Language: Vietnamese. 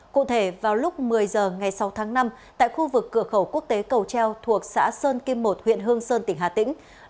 cụ thể vào lúc một mươi h ngày sáu tháng năm tại khu vực cửa khẩu quốc tế cầu treo thuộc xã sơn kim một huyện hương sơn tỉnh hà tĩnh